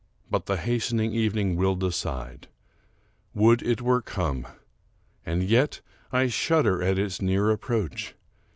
But the hastening evening will decide. Would it were come ! And yet I shudder at its near approach.